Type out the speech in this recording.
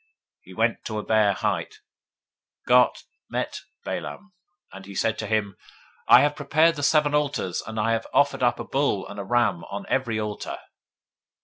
He went to a bare height. 023:004 God met Balaam: and he said to him, I have prepared the seven altars, and I have offered up a bull and a ram on every altar.